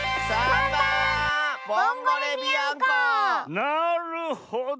なるほど！